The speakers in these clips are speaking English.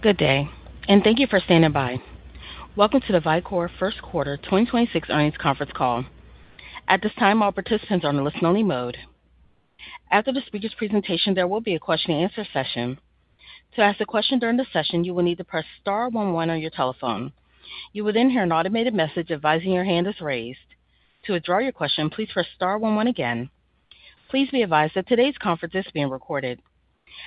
Good day, and thank you for standing by. Welcome to the Vicor first quarter 2026 earnings conference call. At this time, all participants are on listen only mode. After the speaker's presentation, there will be a question and answer session. To ask a question during the session, you will need to press star one one on your telephone. You will then hear an automated message advising your hand is raised. To withdraw your question, please press star one one again. Please be advised that today's conference is being recorded.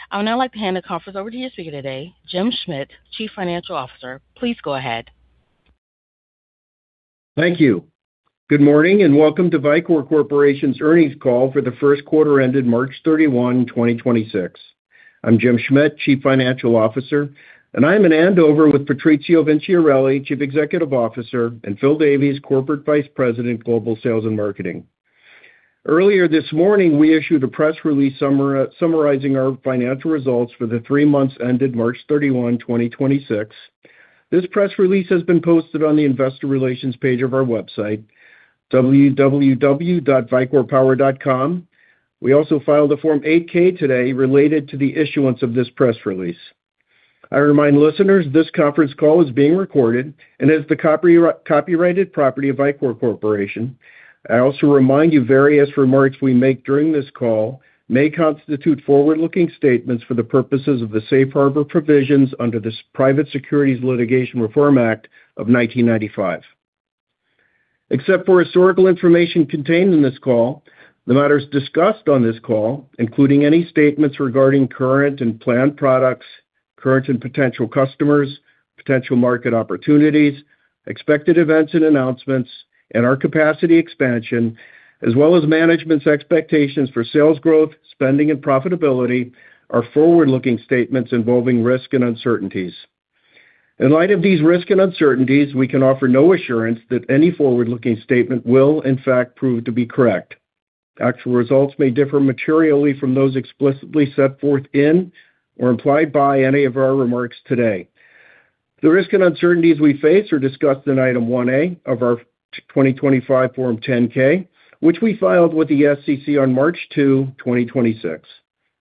I would now like to hand the conference over to your speaker today, James Schmidt, Chief Financial Officer. Please go ahead. Thank you. Good morning and welcome to Vicor Corporation's earnings call for the first quarter ended March 31, 2026. I'm James Schmidt, Chief Financial Officer, and I'm in Andover with Patrizio Vinciarelli, Chief Executive Officer, and Phil Davies, Corporate Vice President, Global Sales and Marketing. Earlier this morning, we issued a press release summarizing our financial results for the three months ended March 31, 2026. This press release has been posted on the investor relations page of our website, www.vicorpower.com. We also filed a Form 8-K today related to the issuance of this press release. I remind listeners this conference call is being recorded and is the copyrighted property of Vicor Corporation. I also remind you various remarks we make during this call may constitute forward-looking statements for the purposes of the safe harbor provisions under the Private Securities Litigation Reform Act of 1995. Except for historical information contained in this call, the matters discussed on this call, including any statements regarding current and planned products, current and potential customers, potential market opportunities, expected events and announcements, and our capacity expansion, as well as management's expectations for sales growth, spending, and profitability, are forward-looking statements involving risks and uncertainties. In light of these risks and uncertainties, we can offer no assurance that any forward-looking statement will in fact prove to be correct. Actual results may differ materially from those explicitly set forth in or implied by any of our remarks today. The risks and uncertainties we face are discussed in Item 1A of our 2025 Form 10-K, which we filed with the SEC on March 2, 2026.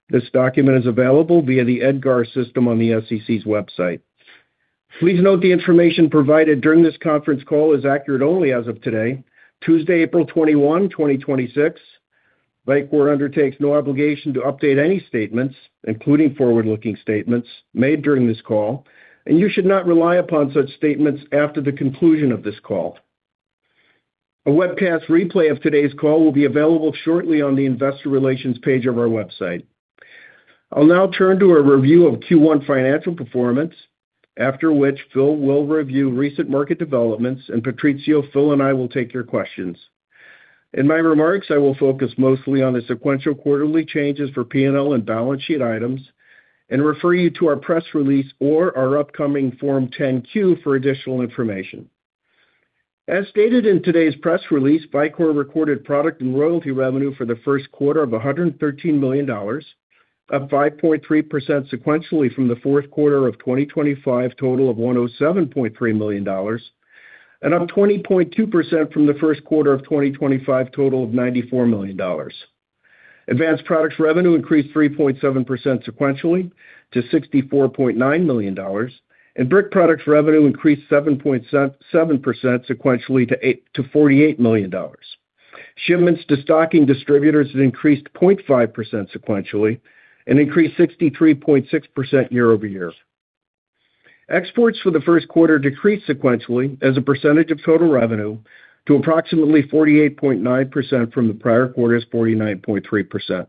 This document is available via the EDGAR system on the SEC's website. Please note the information provided during this conference call is accurate only as of today, Tuesday, April 21, 2026. Vicor undertakes no obligation to update any statements, including forward-looking statements made during this call, and you should not rely upon such statements after the conclusion of this call. A webcast replay of today's call will be available shortly on the investor relations page of our website. I'll now turn to a review of Q1 financial performance, after which Phil will review recent market developments and Patrizio, Phil, and I will take your questions. In my remarks, I will focus mostly on the sequential quarterly changes for P&L and balance sheet items and refer you to our press release or our upcoming Form 10-Q for additional information. As stated in today's press release, Vicor recorded product and royalty revenue for the first quarter of $113 million, up 5.3% sequentially from the fourth quarter of 2025 total of $107.3 million, and up 20.2% from the first quarter of 2025 total of $94 million. Advanced products revenue increased 3.7% sequentially to $64.9 million, and brick products revenue increased 7.7% sequentially to $48 million. Shipments to stocking distributors increased 0.5% sequentially and increased 63.6% year-over-year. Exports for the first quarter decreased sequentially as a percentage of total revenue to approximately 48.9% from the prior quarter's 49.3%.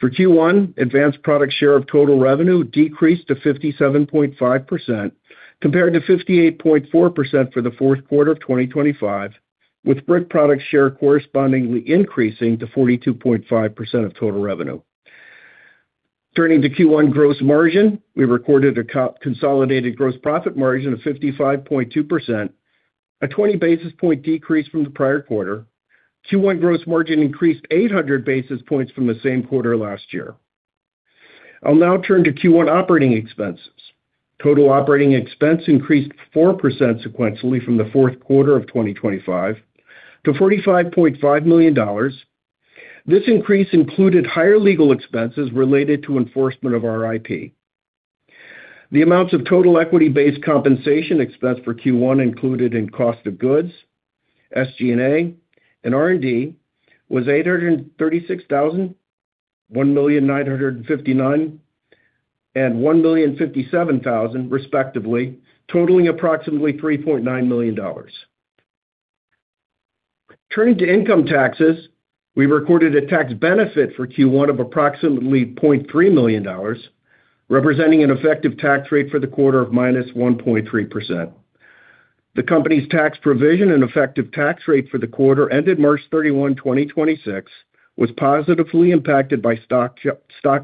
For Q1, advanced product share of total revenue decreased to 57.5% compared to 58.4% for the fourth quarter of 2025, with brick product share correspondingly increasing to 42.5% of total revenue. Turning to Q1 gross margin, we recorded a consolidated gross profit margin of 55.2%, a 20 basis point decrease from the prior quarter. Q1 gross margin increased 800 basis points from the same quarter last year. I'll now turn to Q1 operating expenses. Total operating expense increased 4% sequentially from the fourth quarter of 2025 to $45.5 million. This increase included higher legal expenses related to enforcement of our IP. The amounts of total equity-based compensation expense for Q1 included in cost of goods, SG&A, and R&D was $836,000, $1,959,000, and $1,057,000 respectively, totaling approximately $3.9 million. Turning to income taxes, we recorded a tax benefit for Q1 of approximately $0.3 million, representing an effective tax rate for the quarter of -1.3%. The company's tax provision and effective tax rate for the quarter ended March 31, 2026 was positively impacted by stock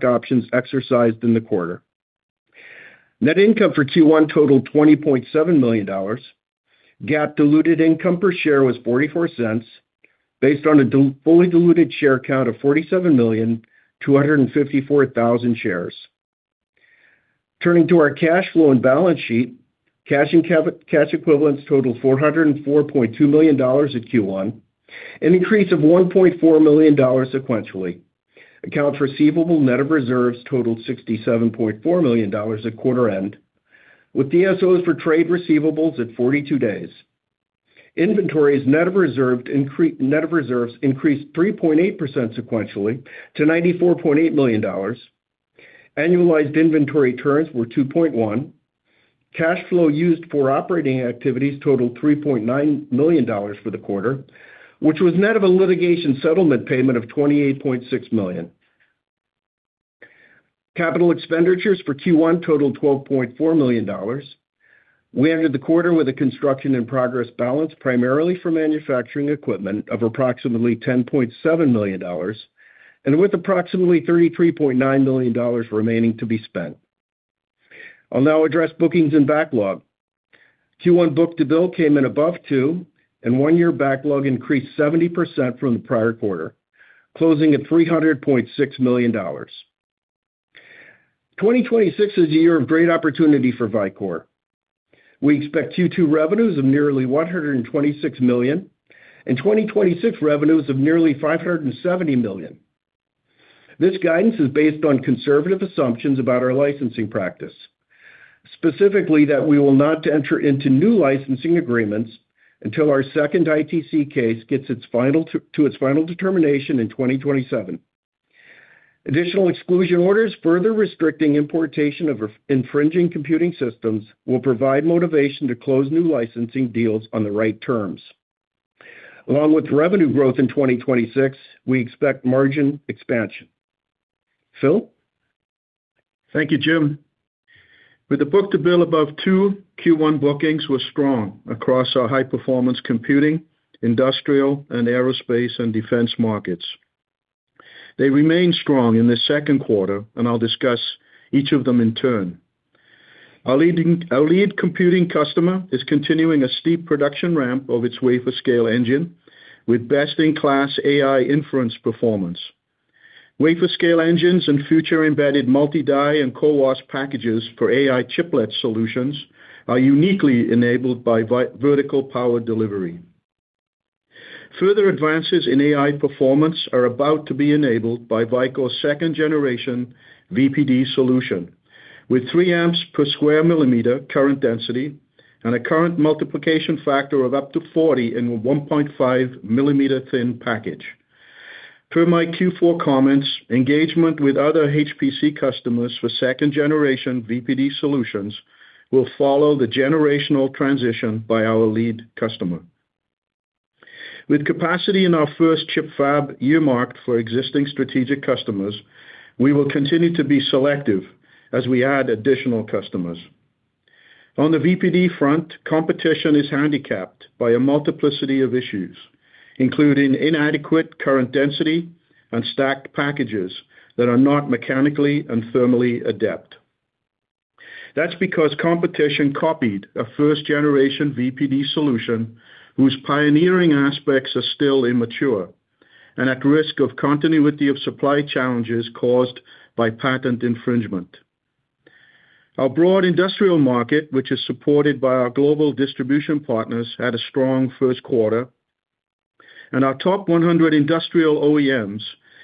options exercised in the quarter. Net income for Q1 totaled $20.7 million. GAAP diluted income per share was $0.44 based on a fully diluted share count of 47,254,000 shares. Turning to our cash flow and balance sheet, cash and cash equivalents totaled $404.2 million at Q1. An increase of $1.4 million sequentially. Accounts receivable net of reserves totaled $67.4 million at quarter end, with DSOs for trade receivables at 42 days. Inventories net of reserves increased 3.8% sequentially to $94.8 million. Annualized inventory turns were 2.1. Cash flow used for operating activities totaled $3.9 million for the quarter, which was net of a litigation settlement payment of $28.6 million. Capital expenditures for Q1 totaled $12.4 million. We ended the quarter with a construction in progress balance, primarily for manufacturing equipment of approximately $10.7 million, and with approximately $33.9 million remaining to be spent. I'll now address bookings and backlog. Q1 book-to-bill came in above 2, and one-year backlog increased 70% from the prior quarter, closing at $300.6 million. 2026 is a year of great opportunity for Vicor. We expect Q2 revenues of nearly $126 million, and 2026 revenues of nearly $570 million. This guidance is based on conservative assumptions about our licensing practice, specifically that we will not enter into new licensing agreements until our second ITC case gets to its final determination in 2027. Additional exclusion orders further restricting importation of infringing computing systems will provide motivation to close new licensing deals on the right terms. Along with revenue growth in 2026, we expect margin expansion. Phil? Thank you, Jim. With a book-to-bill above 2, Q1 bookings were strong across our high-performance computing, industrial, and aerospace and defense markets. They remain strong in the second quarter, and I'll discuss each of them in turn. Our lead computing customer is continuing a steep production ramp of its wafer-scale engine with best-in-class AI inference performance. Wafer-scale engines and future embedded multi-die and CoWoS packages for AI chiplet solutions are uniquely enabled by vertical power delivery. Further advances in AI performance are about to be enabled by Vicor's 2nd generation VPD solution, with 3 A per sq mm current density and a current multiplication factor of up to 40 in a 1.5 mm thin package. Per my Q4 comments, engagement with other HPC customers for 2nd generation VPD solutions will follow the generational transition by our lead customer. With capacity in our first chip fab earmarked for existing strategic customers, we will continue to be selective as we add additional customers. On the VPD front, competition is handicapped by a multiplicity of issues, including inadequate current density and stacked packages that are not mechanically and thermally adept. That's because competition copied a 1st generation VPD solution whose pioneering aspects are still immature and at risk of continuity of supply challenges caused by patent infringement. Our broad industrial market, which is supported by our global distribution partners, had a strong first quarter, and our top 100 industrial OEMs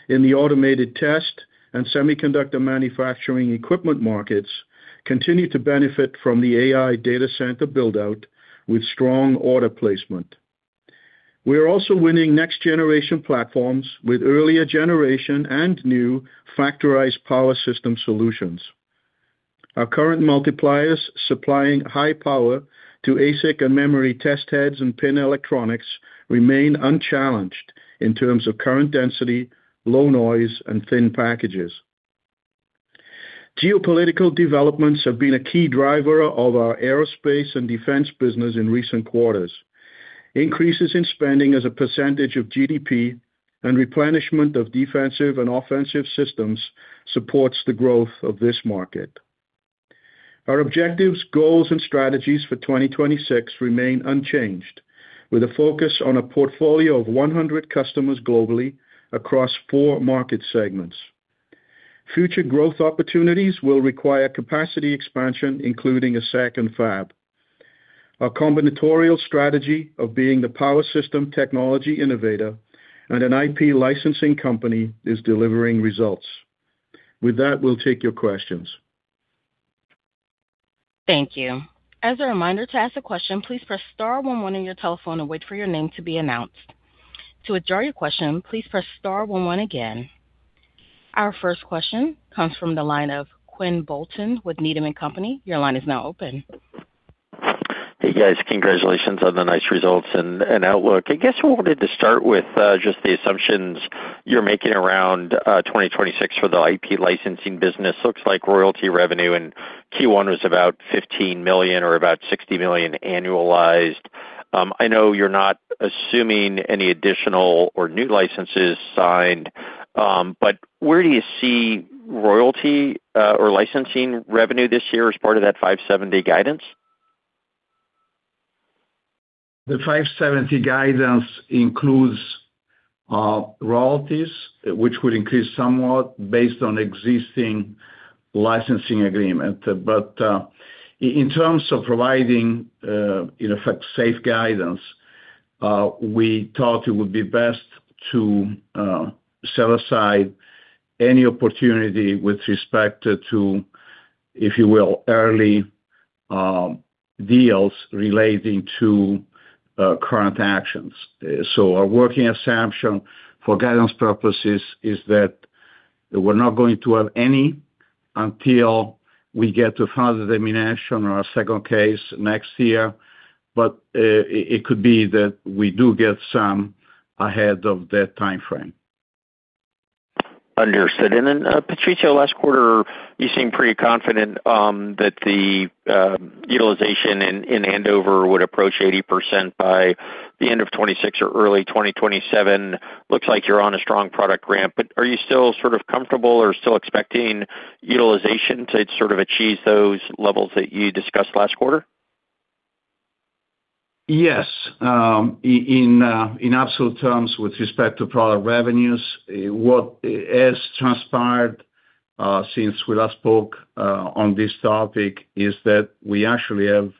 in the automated test and semiconductor manufacturing equipment markets continue to benefit from the AI data center build-out with strong order placement. We are also winning next-generation platforms with earlier generation and new factorized power system solutions. Our current multipliers supplying high power to ASIC and memory test heads and pin electronics remain unchallenged in terms of current density, low noise, and thin packages. Geopolitical developments have been a key driver of our aerospace and defense business in recent quarters. Increases in spending as a percentage of GDP and replenishment of defensive and offensive systems supports the growth of this market. Our objectives, goals, and strategies for 2026 remain unchanged, with a focus on a portfolio of 100 customers globally across four market segments. Future growth opportunities will require capacity expansion, including a second fab. Our combinatorial strategy of being the power system technology innovator and an IP licensing company is delivering results. With that, we'll take your questions. Thank you. As a reminder to ask a question, please press star one one on your telephone and wait for your name to be announced. To withdraw your question, please press star one one again. Our first question comes from the line of Quinn Bolton with Needham & Company. Your line is now open. Hey, guys. Congratulations on the nice results and outlook. I guess where I wanted to start with just the assumptions you're making around 2026 for the IP licensing business. Looks like royalty revenue in Q1 was about $15 million or about $60 million annualized. I know you're not assuming any additional or new licenses signed. Where do you see royalty or licensing revenue this year as part of that $570 million guidance? The $570 guidance includes Royalties, which will increase somewhat based on existing licensing agreement. In terms of providing, in effect, safe guidance, we thought it would be best to set aside any opportunity with respect to, if you will, early deals relating to current actions. Our working assumption for guidance purposes is that we're not going to have any until we get to final dissemination or our second case next year, but it could be that we do get some ahead of that timeframe. Understood. Patrizio, last quarter you seemed pretty confident that the utilization in Andover would approach 80% by the end of 2026 or early 2027. Looks like you're on a strong product ramp, but are you still sort of comfortable or still expecting utilization to sort of achieve those levels that you discussed last quarter? Yes. In absolute terms with respect to product revenues, what has transpired, since we last spoke on this topic, is that we actually have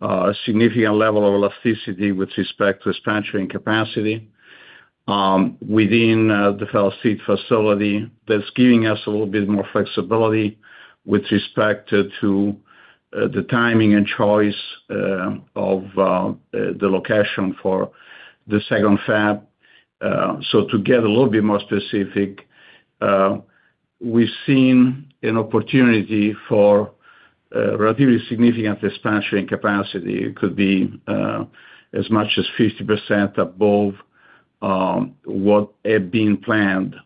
a significant level of elasticity with respect to expansion capacity within the leased facility that's giving us a little bit more flexibility with respect to the timing and choice of the location for the second fab. To get a little bit more specific, we've seen an opportunity for relatively significant expansion capacity. It could be as much as 50% above what had been planned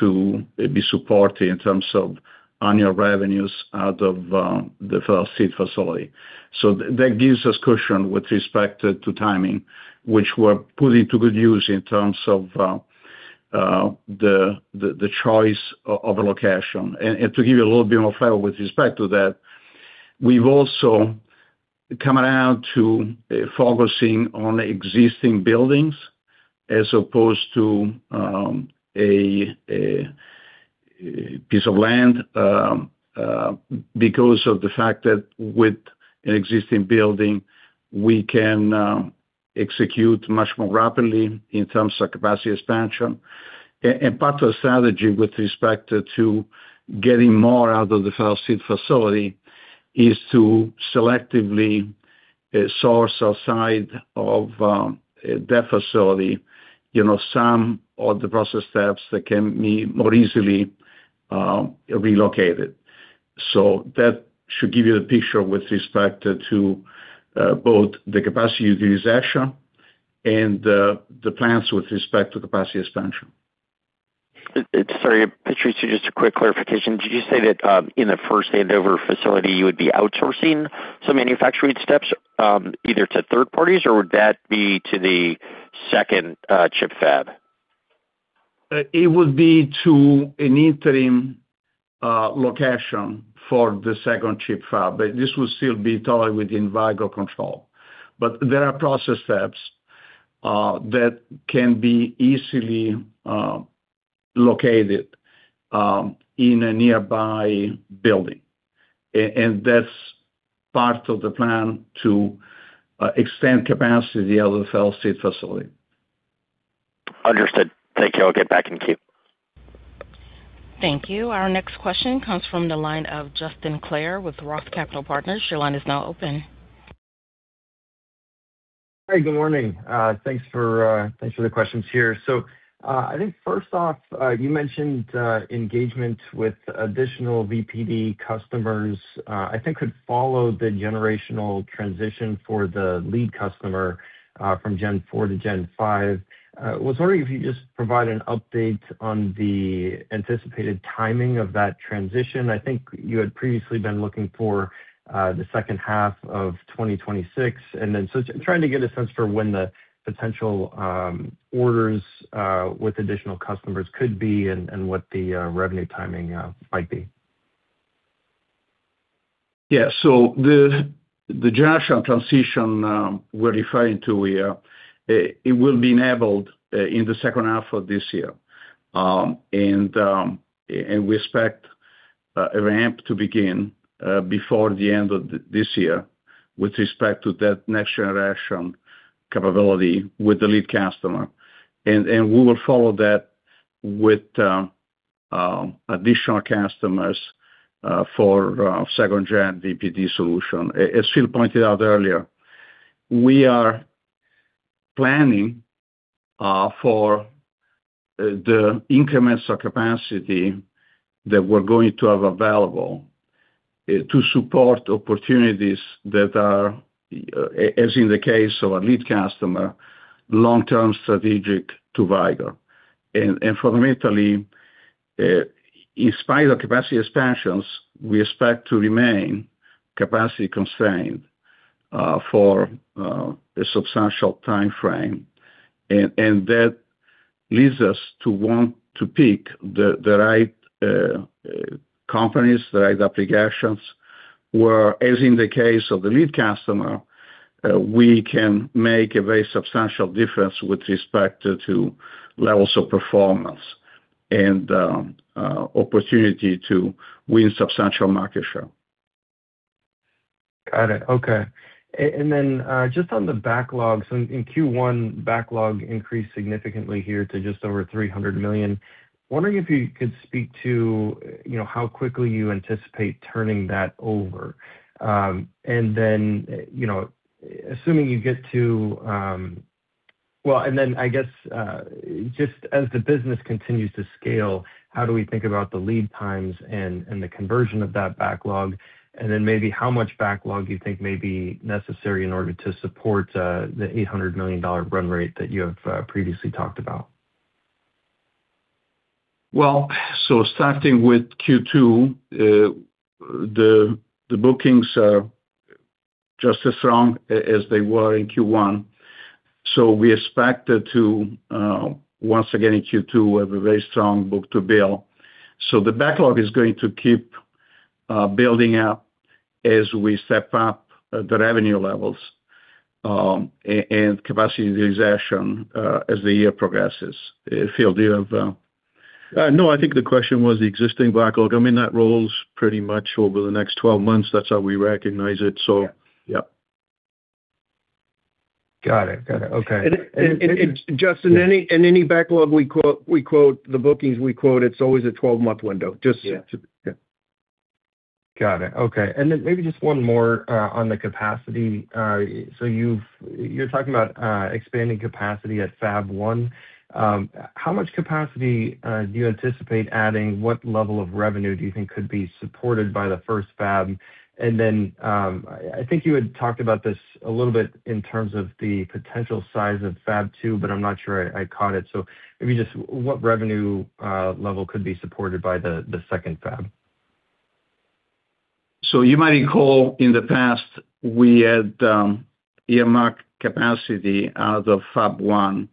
to be supported in terms of annual revenues out of the leased facility. That gives us cushion with respect to timing, which we're putting to good use in terms of the choice of a location. To give you a little bit more flavor with respect to that, we've also come around to focusing on existing buildings as opposed to a piece of land, because of the fact that with an existing building, we can execute much more rapidly in terms of capacity expansion. Part of the strategy with respect to getting more out of the Federal Street facility is to selectively source outside of that facility some of the process steps that can be more easily relocated. That should give you the picture with respect to both the capacity utilization and the plans with respect to capacity expansion. Sorry, Patrizio, just a quick clarification. Did you say that in the first Andover facility, you would be outsourcing some manufacturing steps, either to third parties or would that be to the second chip fab? It would be to an interim location for the second chip fab, but this would still be totally within Vicor control. There are process steps that can be easily located in a nearby building, and that's part of the plan to extend capacity of the Federal Street facility. Understood. Thank you. I'll get back in queue. Thank you. Our next question comes from the line of Justin Clare with ROTH Capital Partners. Your line is now open. Hey, good morning. Thanks for the questions here. I think first off, you mentioned engagement with additional VPD customers I think could follow the generational transition for the lead customer, from gen four to gen five. I was wondering if you could just provide an update on the anticipated timing of that transition. I think you had previously been looking for the second half of 2026, and then so trying to get a sense for when the potential orders with additional customers could be and what the revenue timing might be. Yeah. The generational transition we're referring to here, it will be enabled in the second half of this year. We expect a ramp to begin before the end of this year with respect to that next generation capability with the lead customer. We will follow that with additional customers for second-gen VPD solution. As Phil pointed out earlier, we are planning for the increments of capacity that we're going to have available to support opportunities that are, as in the case of our lead customer, long-term strategic to Vicor. Fundamentally, in spite of capacity expansions, we expect to remain capacity-constrained for a substantial timeframe. That leads us to want to pick the right companies, the right applications, where, as in the case of the lead customer, we can make a very substantial difference with respect to levels of performance and opportunity to win substantial market share. Got it. Okay. Just on the backlogs, in Q1, backlog increased significantly here to just over $300 million. Wondering if you could speak to how quickly you anticipate turning that over. I guess, just as the business continues to scale, how do we think about the lead times and the conversion of that backlog? Maybe how much backlog do you think may be necessary in order to support the $800 million run rate that you have previously talked about? Well, starting with Q2, the bookings are just as strong as they were in Q1. We expect to, once again, in Q2, have a very strong book-to-bill. The backlog is going to keep building up as we step up the revenue levels, and capacity utilization as the year progresses. Phil, do you have... No, I think the question was the existing backlog. I mean, that rolls pretty much over the next 12 months. That's how we recognize it. Yeah. Yep. Got it. Okay. Justin, any backlog we quote, the bookings we quote, it's always a 12-month window. Just to- Yeah. Yeah. Got it. Okay. Maybe just one more on the capacity. You're talking about expanding capacity at Fab One. How much capacity do you anticipate adding? What level of revenue do you think could be supported by the first fab? I think you had talked about this a little bit in terms of the potential size of Fab Two, but I'm not sure I caught it. Maybe just what revenue level could be supported by the second fab? You might recall in the past we had earmarked capacity out of Fab One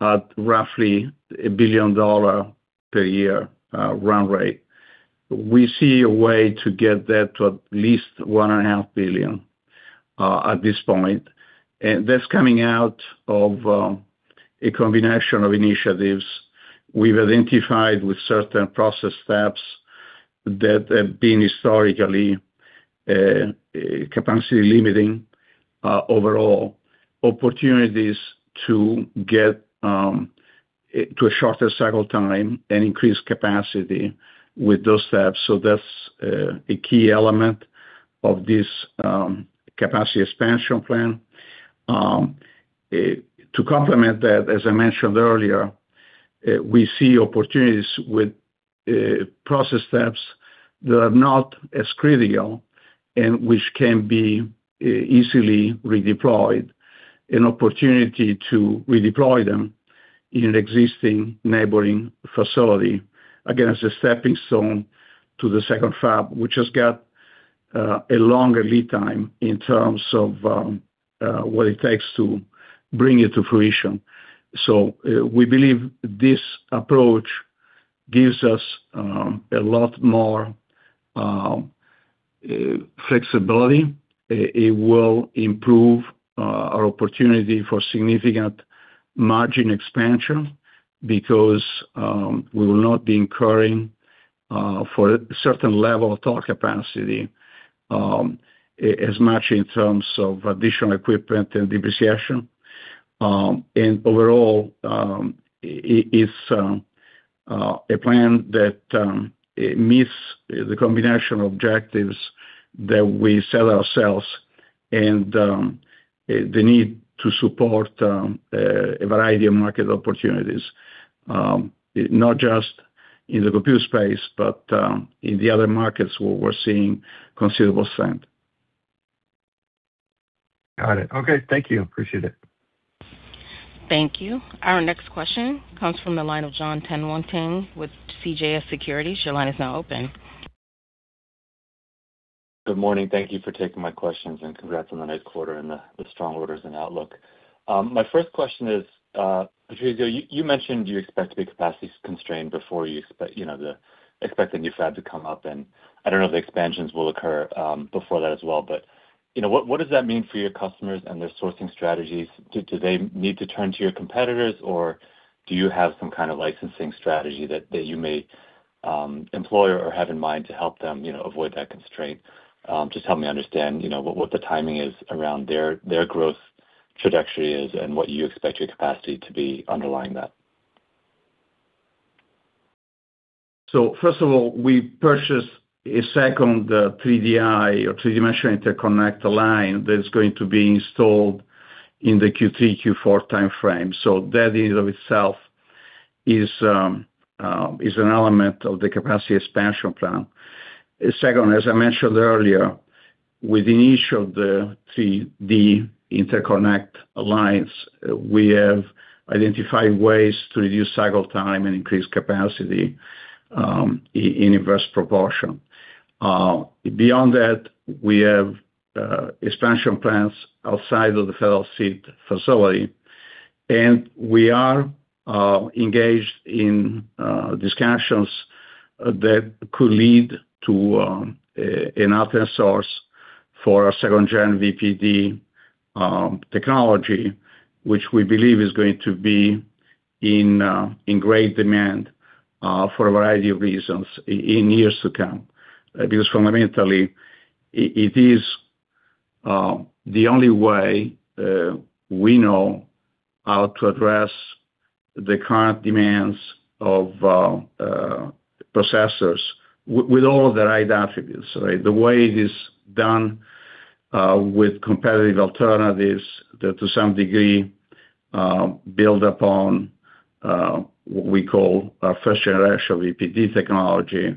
at roughly a $1 billion per year run rate. We see a way to get that to at least $1.5 billion at this point, and that's coming out of a combination of initiatives we've identified with certain process steps that have been historically capacity limiting overall, opportunities to get to a shorter cycle time and increase capacity with those steps. That's a key element of this capacity expansion plan. To complement that, as I mentioned earlier, we see opportunities with process steps that are not as critical and which can be easily redeployed, an opportunity to redeploy them in an existing neighboring facility. Again, as a stepping stone to the second fab, which has got a longer lead time in terms of what it takes to bring it to fruition. We believe this approach gives us a lot more flexibility. It will improve our opportunity for significant margin expansion because we will not be incurring, for a certain level of total capacity, as much in terms of additional equipment and depreciation. Overall, it's a plan that meets the combination of objectives that we set ourselves and the need to support a variety of market opportunities, not just in the computer space, but in the other markets where we're seeing considerable strength. Got it. Okay. Thank you. Appreciate it. Thank you. Our next question comes from the line of Jonathan Tanwanteng with CJS Securities. Your line is now open. Good morning. Thank you for taking my questions, and congrats on the nice quarter and the strong orders and outlook. My first question is, Patrizio, you mentioned you expect to be capacity constrained before the expected new fab to come up, and I don't know if the expansions will occur before that as well. What does that mean for your customers and their sourcing strategies? Do they need to turn to your competitors, or do you have some kind of licensing strategy that you may employ or have in mind to help them avoid that constraint? Just help me understand what the timing is around their growth trajectory is and what you expect your capacity to be underlying that. First of all, we purchased a second 3Di or three-dimensional interconnect line that is going to be installed in the Q3, Q4 time frame. That in and of itself is an element of the capacity expansion plan. Second, as I mentioned earlier, within the niche of the 3D interconnect lines, we have identified ways to reduce cycle time and increase capacity in inverse proportion. Beyond that, we have expansion plans outside of the Federal Street facility, and we are engaged in discussions that could lead to an alternate source for our 2nd-gen VPD technology, which we believe is going to be in great demand for a variety of reasons in years to come. Because fundamentally, it is the only way we know how to address the current demands of processors with all of the right attributes. The way it is done with competitive alternatives that, to some degree, build upon what we call our 1st generation VPD technology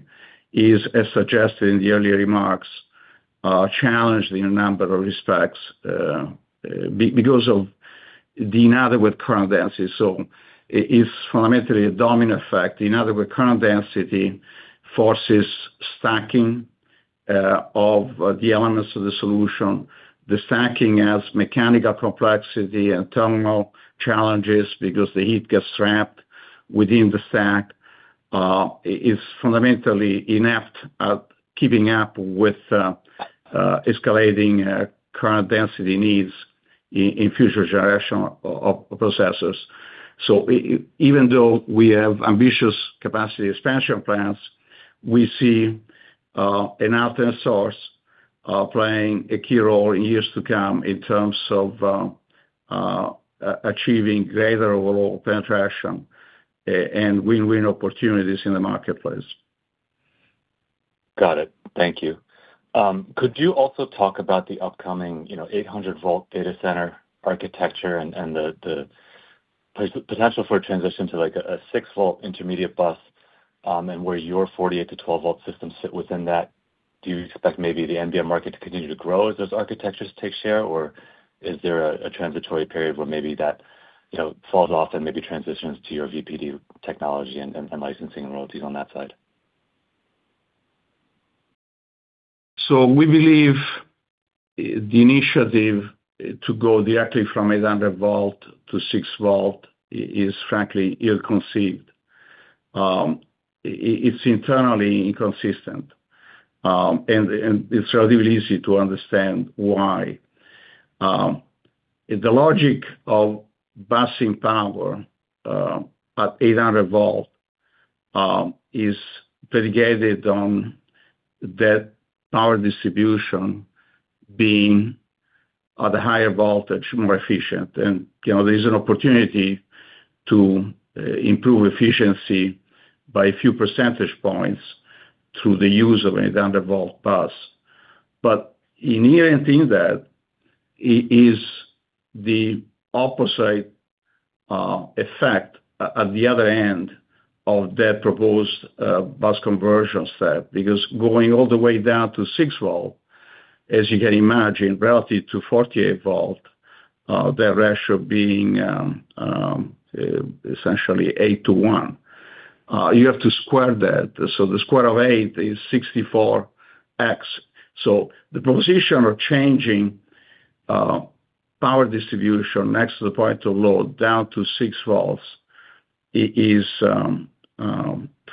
is, as suggested in the earlier remarks, challenged in a number of respects because of the high current density. It is fundamentally a dominant effect. In other words, current density forces stacking of the elements of the solution, the stacking adds mechanical complexity and thermal challenges because the heat gets trapped within the stack, is fundamentally inept at keeping up with escalating current density needs in future generation of processors. Even though we have ambitious capacity expansion plans, we see an alternate source playing a key role in years to come in terms of achieving greater overall penetration and win-win opportunities in the marketplace. Got it. Thank you. Could you also talk about the upcoming 800 V data center architecture and the potential for a transition to a 6 V intermediate bus, and where your 48 V to 12 V systems sit within that? Do you expect maybe the NVM market to continue to grow as those architectures take share, or is there a transitory period where maybe that falls off then maybe transitions to your VPD technology and licensing and royalties on that side? We believe the initiative to go directly from 800 V to 6 V is frankly ill-conceived. It's internally inconsistent, and it's relatively easy to understand why. The logic of busing power at 800 V is predicated on that power distribution being at a higher voltage, more efficient. There's an opportunity to improve efficiency by a few percentage points through the use of 800 V bus. In doing that, it is the opposite effect at the other end of that proposed bus conversion step, because going all the way down to 6 V, as you can imagine, relative to 48 V, the ratio being essentially 8-to-1. You have to square that. The square of 8 is 64x. The proposition of changing power distribution next to the point of load down to 6 V is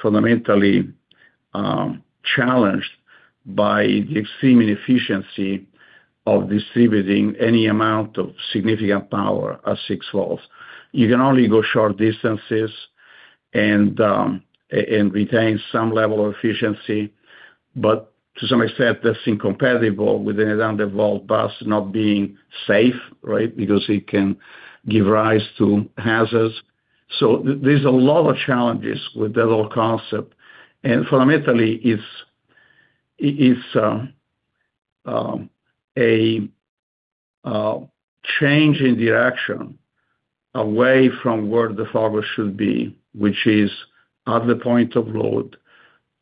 fundamentally challenged by the extreme inefficiency of distributing any amount of significant power at 6 V. You can only go short distances and retain some level of efficiency. To some extent, that's incompatible with an 800 V bus not being safe, because it can give rise to hazards. There's a lot of challenges with that whole concept. Fundamentally, it's a change in direction away from where the focus should be, which is at the point of load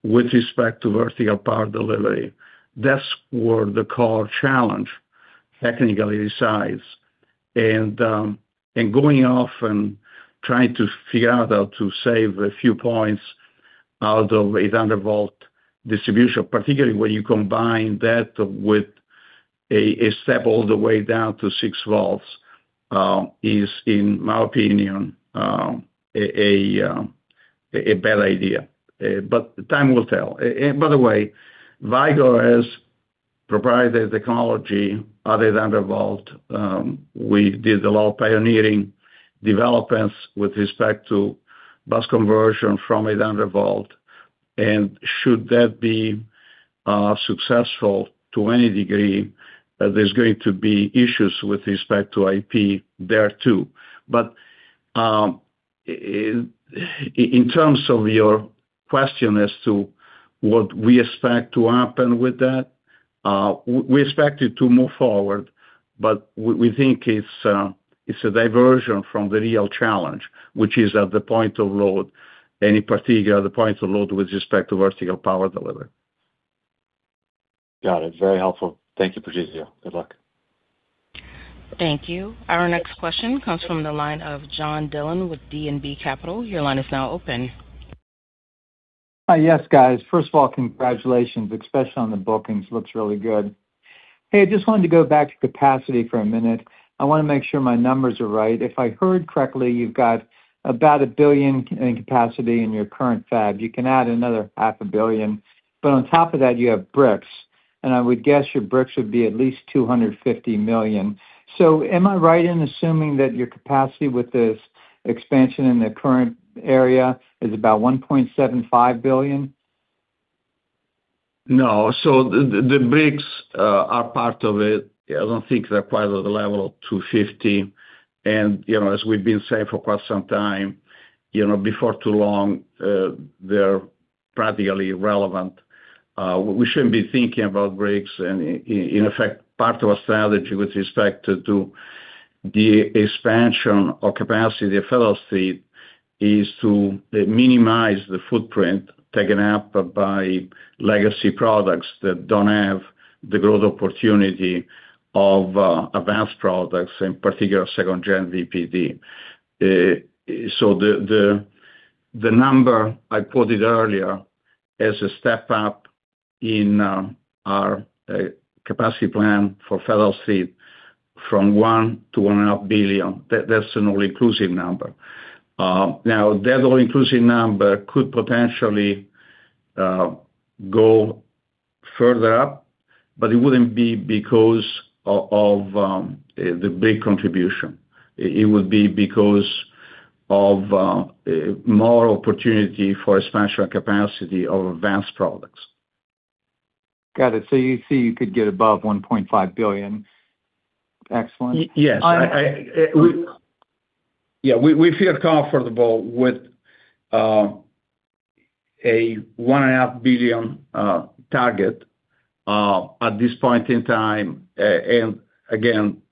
with respect to vertical power delivery. That's where the core challenge technically resides. Going off and trying to figure out how to save a few points out of 800 V distribution, particularly when you combine that with a step all the way down to 6 V, is, in my opinion, a bad idea. Time will tell. By the way, Vicor has proprietary technology at 800 V. We did a lot of pioneering developments with respect to bus conversion from 800 V. Should that be successful to any degree, there's going to be issues with respect to IP there, too. In terms of your question as to what we expect to happen with that, we expect it to move forward, but we think it's a diversion from the real challenge, which is at the point of load, in particular the point of load with respect to vertical power delivery. Got it. Very helpful. Thank you, Patrizio. Good luck. Thank you. Our next question comes from the line of John Dillon with D&B Capital. Your line is now open. Yes, guys. First of all, congratulations, especially on the bookings. Looks really good. Hey, I just wanted to go back to capacity for a minute. I want to make sure my numbers are right. If I heard correctly, you've got about $1 billion in capacity in your current fab. You can add another half a billion. On top of that, you have bricks, and I would guess your bricks would be at least $250 million. Am I right in assuming that your capacity with this expansion in the current area is about $1.75 billion? No. The bricks are part of it. I don't think they're quite at the level of 250. As we've been saying for quite some time, before too long, they're practically irrelevant. We shouldn't be thinking about bricks. In effect, part of our strategy with respect to the expansion of capacity at Federal Street is to minimize the footprint taken up by legacy products that don't have the growth opportunity of advanced products, in particular 2nd-gen VPD. The number I quoted earlier as a step up in our capacity plan for Federal Street from $1 billion-$1.5 billion, that's an all-inclusive number. Now, that all-inclusive number could potentially go further up, but it wouldn't be because of the brick contribution. It would be because of more opportunity for expansion capacity of advanced products. Got it. You see you could get above $1.5 billion. Excellent. Yes. We feel comfortable with a $1.5 billion target at this point in time. Again,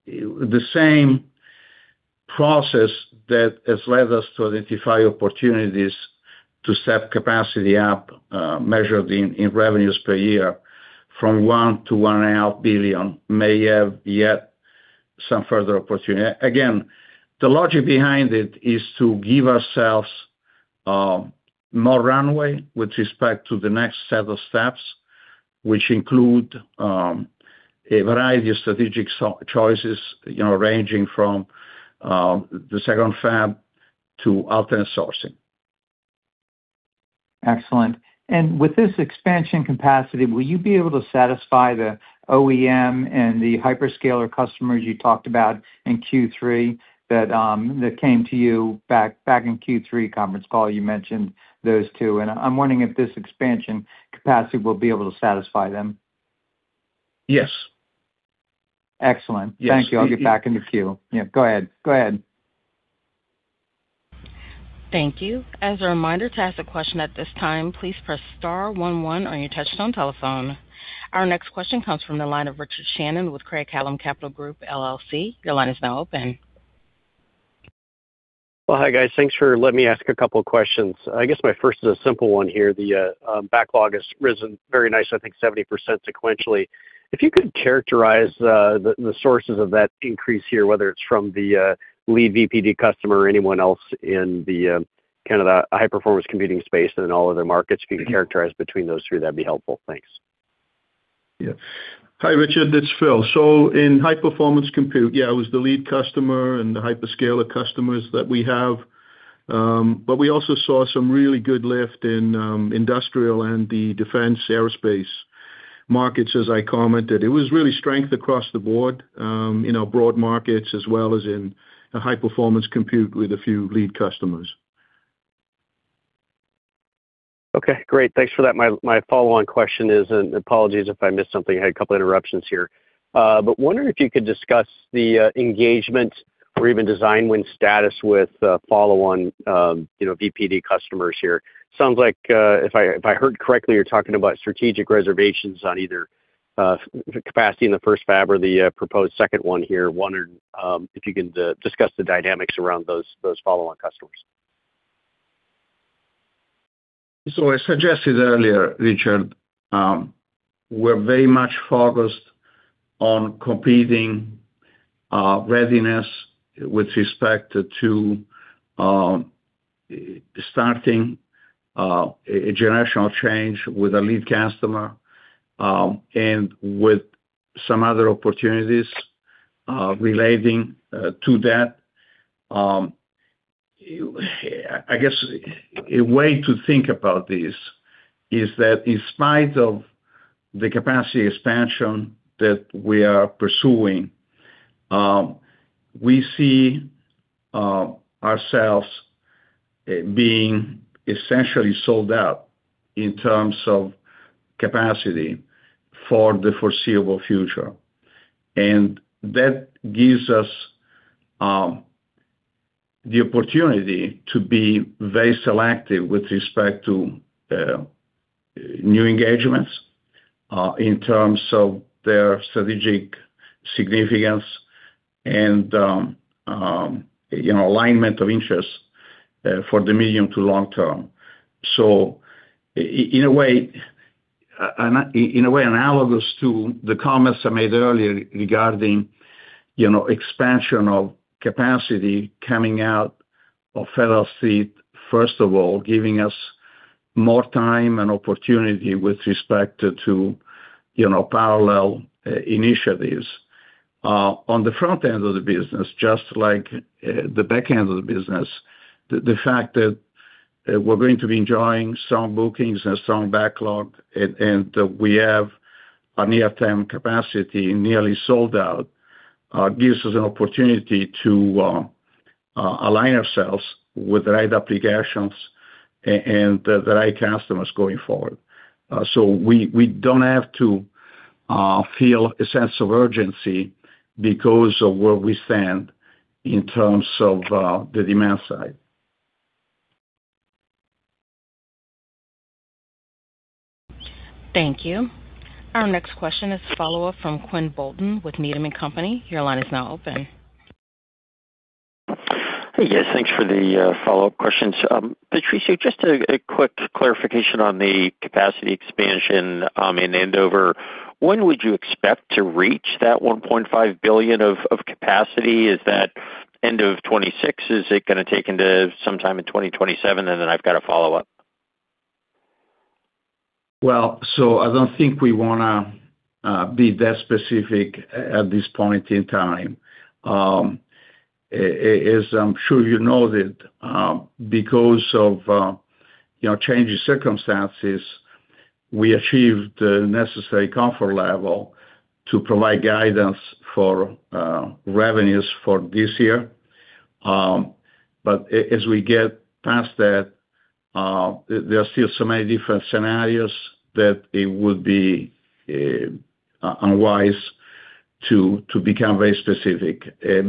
the same process that has led us to identify opportunities to step capacity up, measured in revenues per year from $1 billion-$1.5 billion may have yet some further opportunity. Again, the logic behind it is to give ourselves more runway with respect to the next set of steps, which include a variety of strategic choices, ranging from the second fab to alternate sourcing. Excellent. With this expansion capacity, will you be able to satisfy the OEM and the hyperscaler customers you talked about in Q3 that came to you back in Q3 conference call? You mentioned those two, and I'm wondering if this expansion capacity will be able to satisfy them. Yes. Excellent. Yes. Thank you. I'll get back in the queue. Yeah, go ahead. Thank you. As a reminder, to ask a question at this time, please press star one one on your touch tone telephone. Our next question comes from the line of Richard Shannon with Craig-Hallum Capital Group, LLC. Your line is now open. Well, hi guys. Thanks for letting me ask a couple of questions. I guess my first is a simple one here. The backlog has risen very nicely, I think 70% sequentially. If you could characterize the sources of that increase here, whether it's from the lead VPD customer or anyone else in the high-performance computing space and in all other markets, can you characterize between those two? That'd be helpful. Thanks. Yeah. Hi, Richard, it's Phil. In high-performance compute, yeah, it was the lead customer and the hyperscaler customers that we have. We also saw some really good lift in industrial and the defense aerospace markets, as I commented. It was real strength across the board in our broad markets as well as in high-performance compute with a few lead customers. Okay, great. Thanks for that. My follow-on question is, and apologies if I missed something, I had a couple of interruptions here. Wondering if you could discuss the engagement or even design win status with follow-on VPD customers here. Sounds like, if I heard correctly, you're talking about strategic reservations on either capacity in the first fab or the proposed second one here. Wondering if you can discuss the dynamics around those follow-on customers. I suggested earlier, Richard, we're very much focused on computing readiness with respect to starting a generational change with a lead customer, and with some other opportunities relating to that. I guess a way to think about this is that in spite of the capacity expansion that we are pursuing, we see ourselves being essentially sold out in terms of capacity for the foreseeable future. That gives us the opportunity to be very selective with respect to new engagements in terms of their strategic significance and alignment of interests for the medium to long term. In a way analogous to the comments I made earlier regarding expansion of capacity coming out of Federal Street, first of all, giving us more time and opportunity with respect to parallel initiatives. On the front end of the business, just like the back end of the business, the fact that we're going to be enjoying strong bookings and strong backlog and that we have a near-term capacity nearly sold out, gives us an opportunity to align ourselves with the right applications and the right customers going forward. We don't have to feel a sense of urgency because of where we stand in terms of the demand side. Thank you. Our next question is a follow-up from Quinn Bolton with Needham & Company. Your line is now open. Hey, guys. Thanks for the follow-up questions. Patrizio, just a quick clarification on the capacity expansion in Andover. When would you expect to reach that $1.5 billion of capacity? Is that end of 2026? Is it going to take until sometime in 2027? I've got a follow-up. Well, I don't think we want to be that specific at this point in time. As I'm sure you noted, because of changing circumstances, we achieved the necessary comfort level to provide guidance for revenues for this year. As we get past that, there are still so many different scenarios that it would be unwise to become very specific,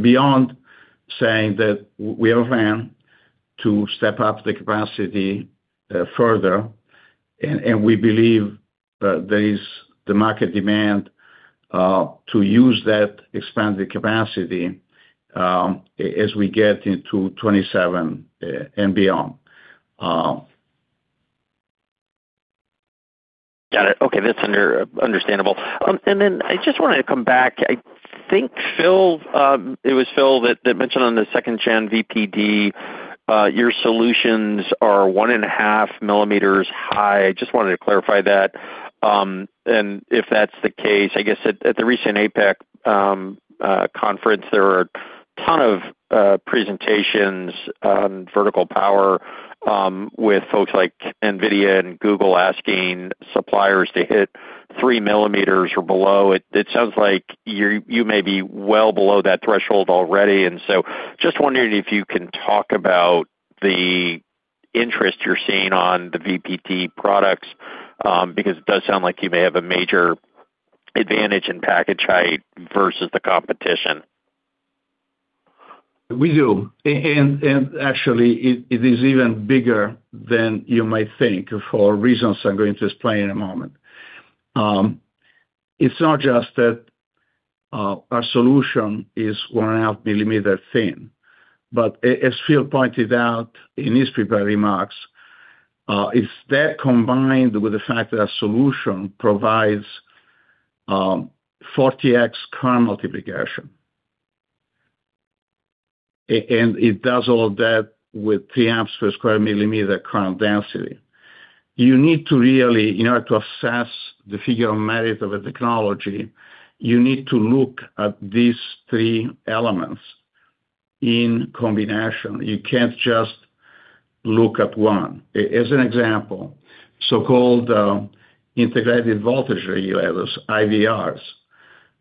beyond saying that we have planned to step up the capacity further, and we believe there is the market demand to use that expanded capacity as we get into 2027 and beyond. Got it. Okay. That's understandable. Then I just wanted to come back. I think it was Phil that mentioned on the 2nd-gen VPD, your solutions are 1.5 mm high. Just wanted to clarify that. If that's the case, I guess at the recent APEC conference, there were a ton of presentations on vertical power with folks like NVIDIA and Google asking suppliers to hit 3 mm or below. It sounds like you may be well below that threshold already, just wondering if you can talk about the interest you're seeing on the VPD products, because it does sound like you may have a major advantage in package height versus the competition. We do. Actually, it is even bigger than you might think for reasons I'm going to explain in a moment. It's not just that our solution is 1.5 mm thin, but as Phil pointed out in his prepared remarks, it's that combined with the fact that our solution provides 40x current multiplication. It does all that with 3 A per sq mm current density. In order to assess the figure of merit of a technology, you need to look at these three elements in combination. You can't just look at one. As an example, so-called integrated voltage regulators, IVRs,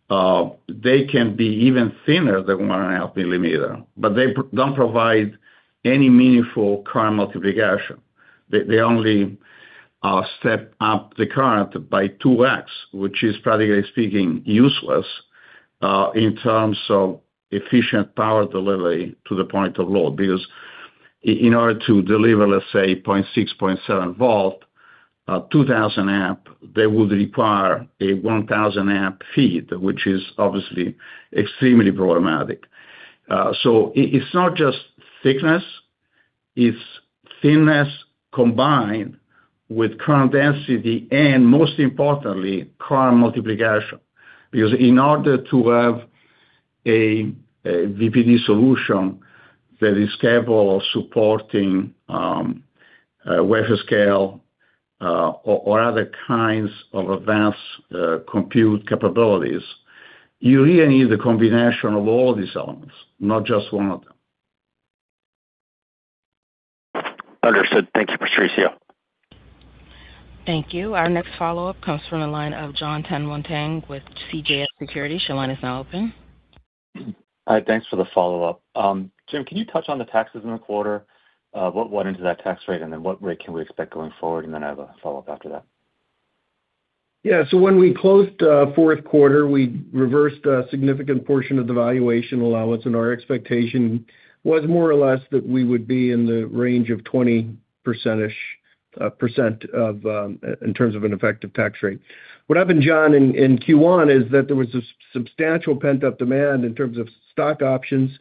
they can be even thinner than 1.5 mm, but they don't provide any meaningful current multiplication. They only step up the current by 2x, which is practically speaking useless in terms of efficient power delivery to the point of load, because in order to deliver, let's say, 0.6 V, 0.7 V, 2,000 A, they would require a 1,000 A feed, which is obviously extremely problematic. It's not just thickness. It's thinness combined with current density and most importantly current multiplication. Because in order to have a VPD solution that is capable of supporting wafer scale or other kinds of advanced compute capabilities, you really need the combination of all these elements, not just one of them. Understood. Thank you, Patrizio. Thank you. Our next follow-up comes from the line of Jonathan Tanwanteng with CJS Securities. Your line is now open. Hi. Thanks for the follow-up. Jim, can you touch on the taxes in the quarter? What went into that tax rate, and then what rate can we expect going forward? I have a follow-up after that. Yeah. When we closed fourth quarter, we reversed a significant portion of the valuation allowance, and our expectation was more or less that we would be in the range of 20% or in terms of an effective tax rate. What happened, John, in Q1 is that there was a substantial pent-up demand in terms of stock options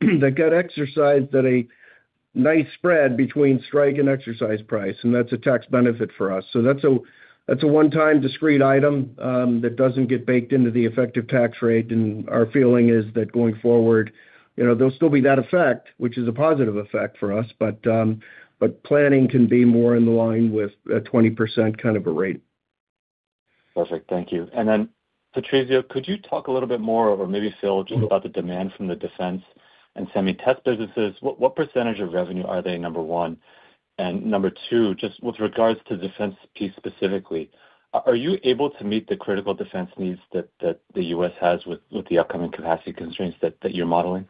that got exercised at a nice spread between strike and exercise price, and that's a tax benefit for us. That's a one-time discrete item that doesn't get baked into the effective tax rate, and our feeling is that going forward, there'll be that effect, which is a positive effect for us. Planning can be more in line with a 20% kind of a rate. Perfect. Thank you. Patrizio, could you talk a little bit more, or maybe Phil, just about the demand from the defense and semi test businesses. What percentage of revenue are they, number one? Number two, just with regards to defense piece specifically, are you able to meet the critical defense needs that the U.S. has with the upcoming capacity constraints that you're modeling?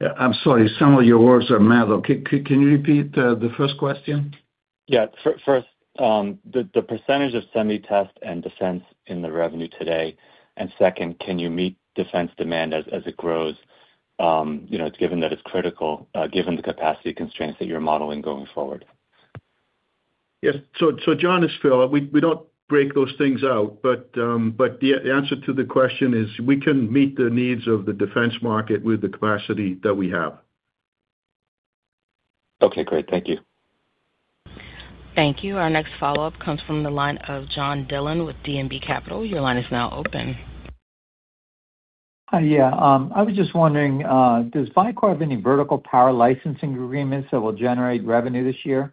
Yeah, I'm sorry. Some of your words are muffled. Can you repeat the first question? Yeah. First, the percentage of semi test and defense in the revenue today, and second, can you meet defense demand as it grows, given that it's critical, given the capacity constraints that you're modeling going forward? Yes. John, it's Phil. We don't break those things out, but the answer to the question is we can meet the needs of the defense market with the capacity that we have. Okay, great. Thank you. Thank you. Our next follow-up comes from the line of John Dillon with D&B Capital. Your line is now open. Hi. Yeah. I was just wondering, does Vicor have any vertical power licensing agreements that will generate revenue this year?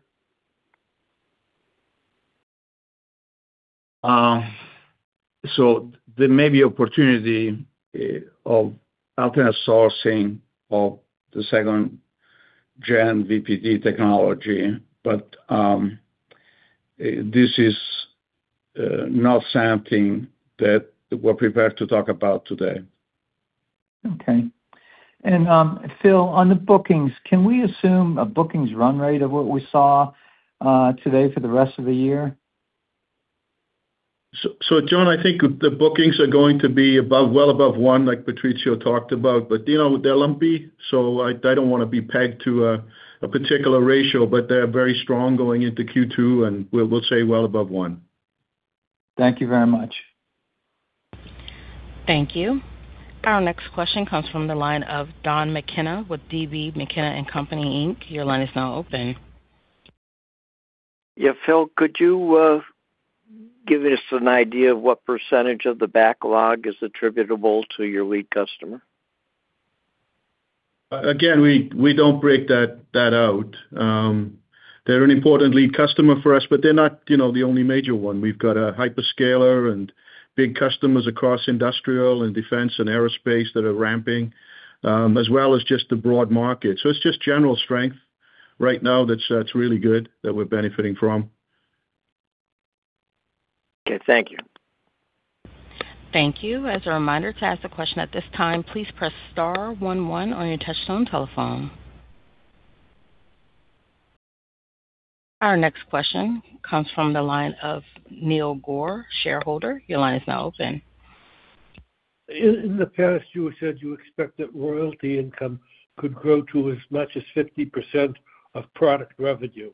There may be opportunity of alternate sourcing of the 2nd-gen VPD technology, but this is not something that we're prepared to talk about today. Okay. Phil, on the bookings, can we assume a bookings run rate of what we saw today for the rest of the year? John, I think the bookings are going to be well above one like Patrizio talked about, but they're lumpy, so I don't want to be pegged to a particular ratio, but they're very strong going into Q2, and we'll say well above one. Thank you very much. Thank you. Our next question comes from the line of Don McKenna with D.B. McKenna & Co., Inc. Your line is now open. Yeah. Phil, could you give us an idea of what percentage of the backlog is attributable to your lead customer? Again, we don't break that out. They're an important lead customer for us, but they're not the only major one. We've got a hyperscaler and big customers across industrial and defense and aerospace that are ramping, as well as just the broad market. It's just general strength right now that's really good that we're benefiting from. Okay. Thank you. Thank you. As a reminder, to ask a question at this time, please press star one one on your touchtone telephone. Our next question comes from the line of Neil Gore, shareholder. Your line is now open. In the past, you said you expect that royalty income could grow to as much as 50% of product revenue.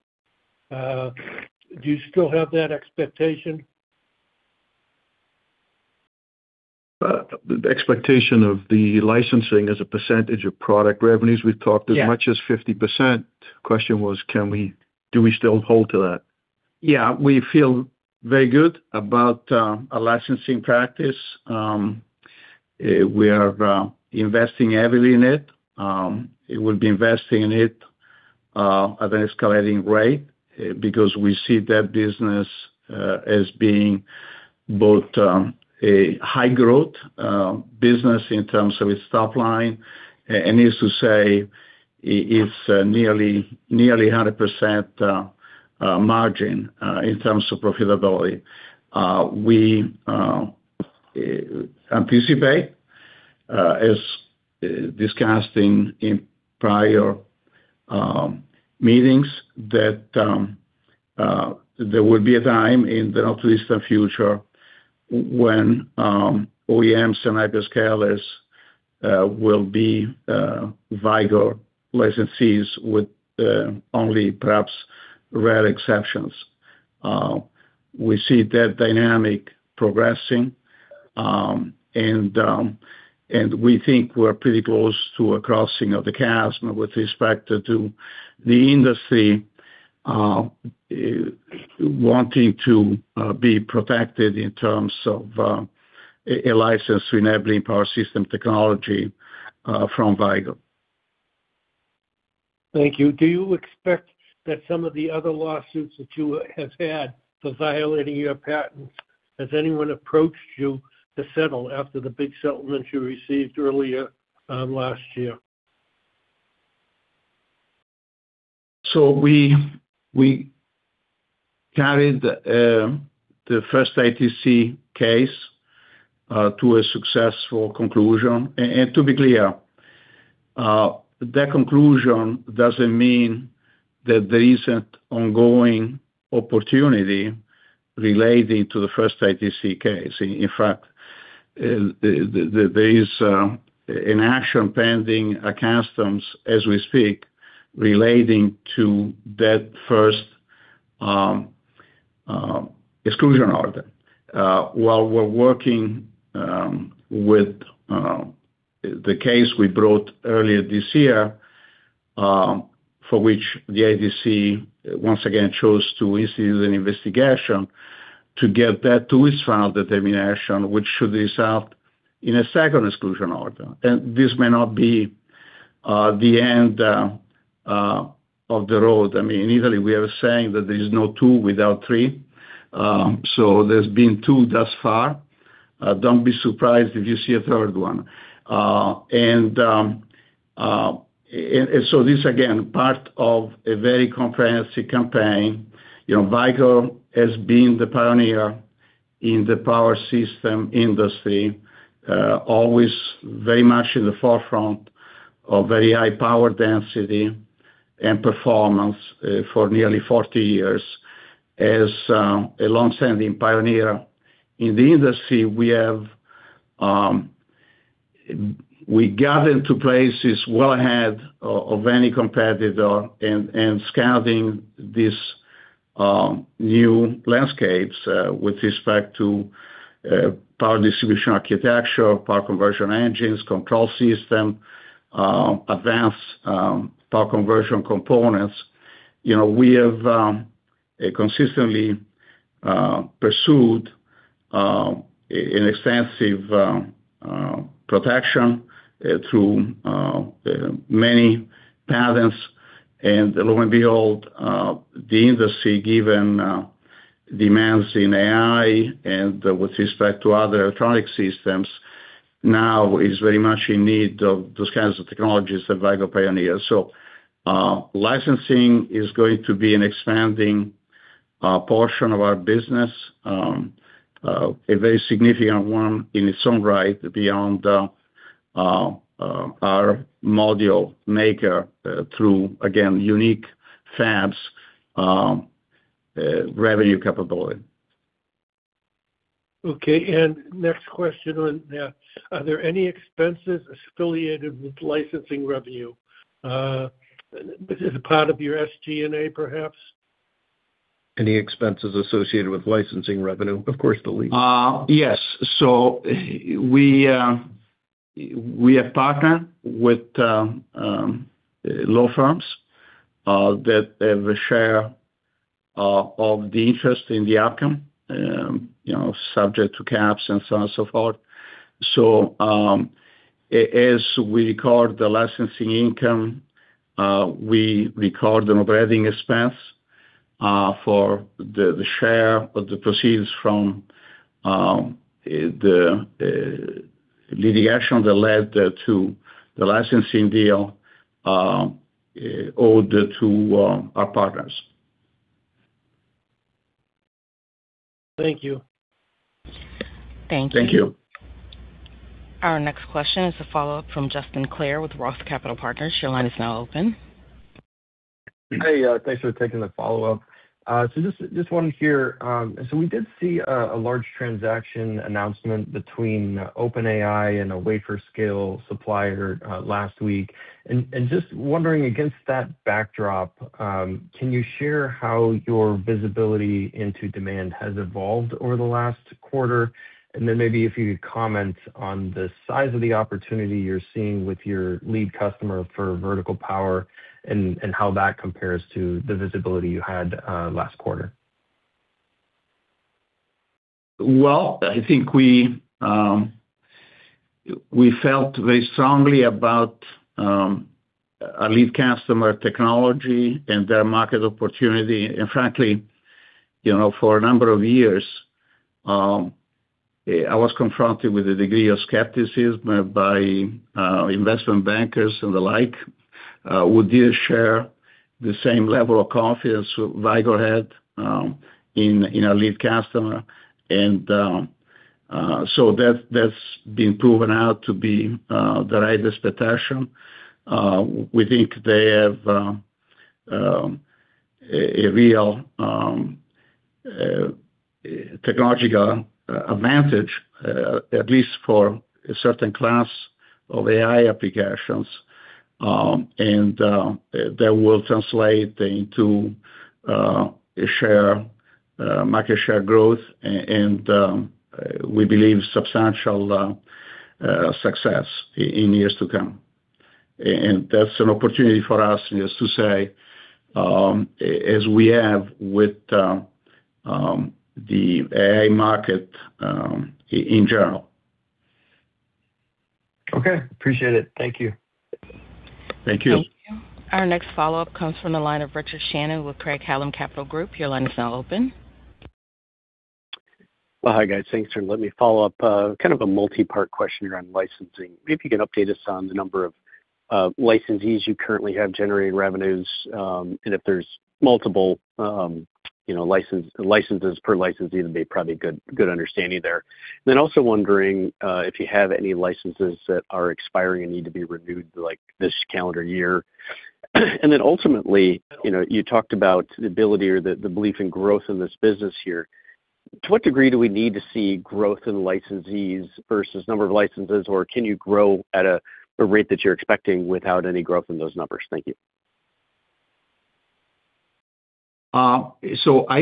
Do you still have that expectation? The expectation of the licensing as a percentage of product revenues, we've talked as much. Yeah as 50%. Question was, do we still hold to that? Yeah. We feel very good about our licensing practice. We are investing heavily in it. We'll be investing in it at an escalating rate because we see that business as being both a high growth business in terms of its top line and needless to say, it's nearly 100% margin in terms of profitability. We anticipate, as discussed in prior meetings, that there will be a time in the not too distant future when OEMs and hyperscalers will be Vicor licensees with only perhaps rare exceptions. We see that dynamic progressing, and we think we're pretty close to a crossing of the chasm with respect to the industry wanting to be protected in terms of a license enabling power system technology from Vicor. Thank you. Do you expect that some of the other lawsuits that you have had for violating your patents? Has anyone approached you to settle after the big settlement you received earlier last year? We carried the first ITC case to a successful conclusion. To be clear, that conclusion doesn't mean that there isn't ongoing opportunity relating to the first ITC case. In fact, there is an action pending at customs as we speak relating to that first exclusion order. While we're working with the case we brought earlier this year, for which the ITC once again chose to institute an investigation to get that to its final determination, which should result in a second exclusion order. This may not be the end of the road. I mean, in Italy, we are saying that there is no two without three. There's been two thus far. Don't be surprised if you see a third one. This, again, part of a very comprehensive campaign. Vicor has been the pioneer in the power system industry, always very much in the forefront of very high power density and performance for nearly 40 years. As a longstanding pioneer in the industry, we got into places well ahead of any competitor and scouting these new landscapes with respect to power distribution architecture, power conversion engines, control system, advanced power conversion components. We have consistently pursued an extensive protection through many patents. Lo and behold, the industry, given demands in AI and with respect to other electronic systems, now is very much in need of those kinds of technologies that Vicor pioneered. Licensing is going to be an expanding portion of our business, a very significant one in its own right beyond our module maker through, again, unique fabs revenue capability. Okay. Next question on that. Are there any expenses affiliated with licensing revenue? Is it part of your SG&A, perhaps? Any expenses associated with licensing revenue? Of course, the lease. Yes. We have partnered with law firms that have a share of the interest in the outcome, subject to caps and so on and so forth. As we record the licensing income, we record an operating expense for the share of the proceeds from the litigation that led to the licensing deal owed to our partners. Thank you. Thank you. Thank you. Our next question is a follow-up from Justin Clare with ROTH Capital Partners. Your line is now open. Hey. Thanks for taking the follow-up. Just one here. We did see a large transaction announcement between OpenAI and a wafer scale supplier last week. Just wondering against that backdrop, can you share how your visibility into demand has evolved over the last quarter? Then maybe if you could comment on the size of the opportunity you're seeing with your lead customer for vertical power and how that compares to the visibility you had last quarter? Well, I think we felt very strongly about our lead customer technology and their market opportunity. Frankly, for a number of years, I was confronted with a degree of skepticism by investment bankers and the like. Would you share the same level of confidence Vicor had in our lead customer? That's been proven now to be the right expectation. We think they have a real technological advantage, at least for a certain class of AI applications, and that will translate into market share growth and we believe substantial success in years to come. That's an opportunity for us, as they say, as we have with the AI market in general. Okay. Appreciate it. Thank you. Thank you. Thank you. Our next follow-up comes from the line of Richard Shannon with Craig-Hallum Capital Group. Your line is now open. Well, hi, guys. Thanks. Let me follow up, kind of a multi-part question around licensing. Maybe you can update us on the number of licensees you currently have generating revenues, and if there's multiple licenses per licensee, that'd be probably a good understanding there. Also wondering if you have any licenses that are expiring and need to be renewed this calendar year. Ultimately, you talked about the ability or the belief in growth in this business here. To what degree do we need to see growth in licensees versus number of licenses? Or can you grow at a rate that you're expecting without any growth in those numbers? Thank you. I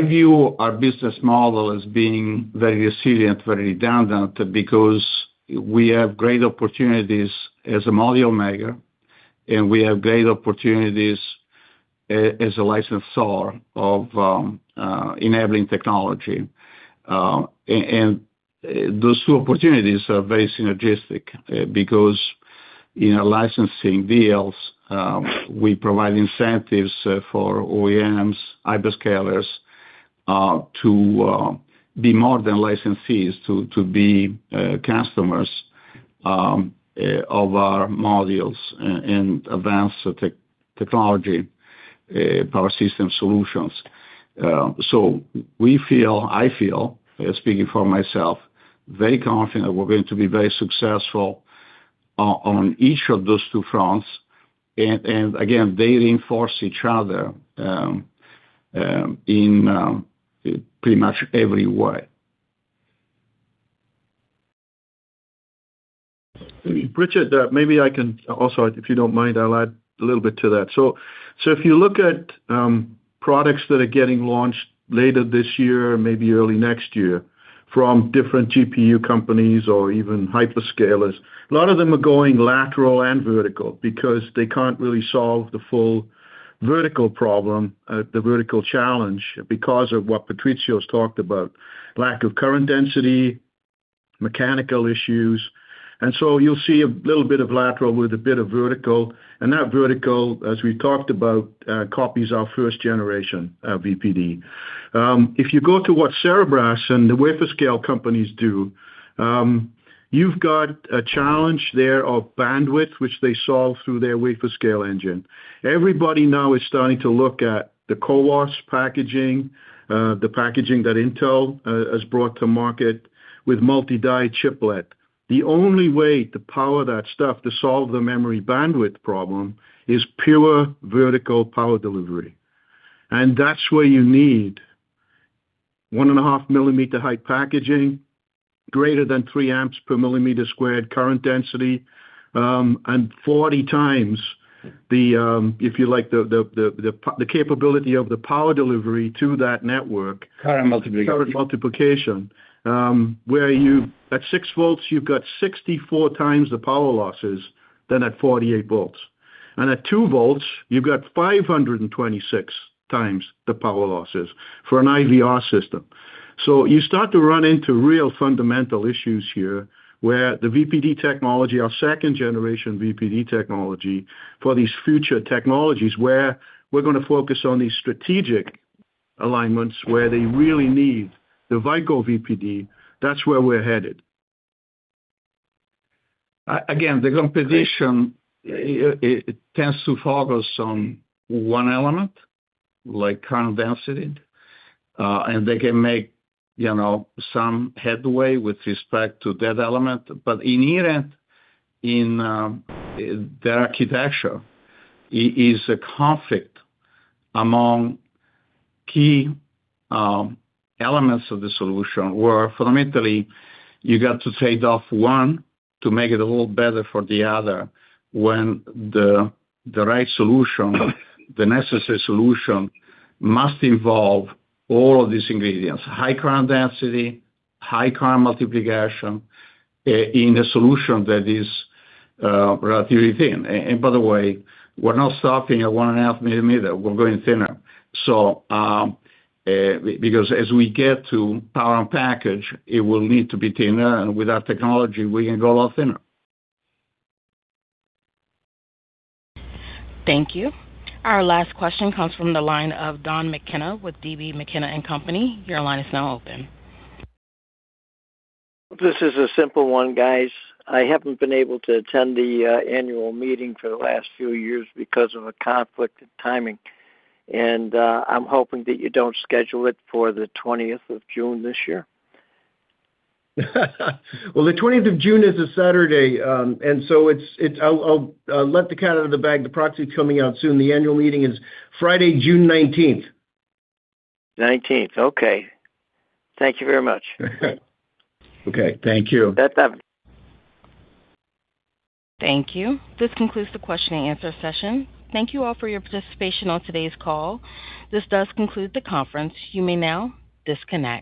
view our business model as being very resilient, very redundant, because we have great opportunities as a module maker, and we have great opportunities as a licensor of enabling technology. Those two opportunities are very synergistic because in our licensing deals we provide incentives for OEMs, hyperscalers to be more than licensees, to be customers of our modules and advanced technology power system solutions. We feel, I feel, speaking for myself, very confident we're going to be very successful on each of those two fronts and again, they reinforce each other in pretty much every way. Richard, maybe I can also, if you don't mind, I'll add a little bit to that. If you look at products that are getting launched later this year or maybe early next year from different GPU companies or even hyperscalers, a lot of them are going lateral and vertical because they can't really solve the full vertical problem, the vertical challenge, because of what Patrizio's talked about, lack of current density, mechanical issues. You'll see a little bit of lateral with a bit of vertical. That vertical, as we talked about, copies our 1st generation VPD. If you go to what Cerebras and the wafer-scale companies do, you've got a challenge there of bandwidth, which they solve through their Wafer-Scale Engine. Everybody now is starting to look at the CoWoS packaging, the packaging that Intel has brought to market with multi-die chiplet. The only way to power that stuff to solve the memory bandwidth problem is pure vertical power delivery. That's where you need 1.5 mm height packaging, greater than 3 A per mm squared current density, and 40x the, if you like, the capability of the power delivery to that network. Current multiplication. Current multiplication. Where at 6 V you've got 64x the power losses than at 48 V. At 2 V you've got 526x the power losses for an IVR system. You start to run into real fundamental issues here where the VPD technology, our 2nd generation VPD technology for these future technologies where we're going to focus on these strategic alignments where they really need the Vicor VPD, that's where we're headed. Again, the competition tends to focus on one element, like current density. They can make some headway with respect to that element. In any event, in their architecture is a conflict among key elements of the solution, where fundamentally you got to trade off one to make it a little better for the other. When the right solution, the necessary solution, must involve all of these ingredients, high current density, high current multiplication, in a solution that is relatively thin. By the way, we're not stopping at 1.5 mm. We're going thinner. Because as we get to power in package, it will need to be thinner, and with our technology, we can go a lot thinner. Thank you. Our last question comes from the line of Don McKenna with D.B. McKenna & Co. Your line is now open. This is a simple one, guys. I haven't been able to attend the annual meeting for the last few years because of a conflict in timing, and I'm hoping that you don't schedule it for the twentieth of June this year. Well, the 20th of June is a Saturday, and so I'll let the cat out of the bag. The proxy is coming out soon. The annual meeting is Friday, June 19th. 19th. Okay. Thank you very much. Okay. Thank you. That's everything. Thank you. This concludes the question and answer session. Thank you all for your participation on today's call. This does conclude the conference. You may now disconnect.